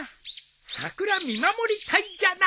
桜見守り隊じゃな。